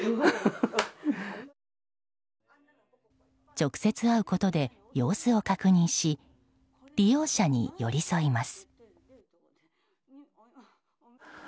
直接会うことで様子を確認し利用者に寄り添います。